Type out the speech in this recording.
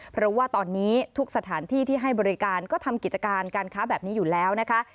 เพราะว่าตอนนี้ทุกสถานที่ที่ให้บริการก็ทำกิจการการค้าแบบนี้อยู่แล้วนะคะ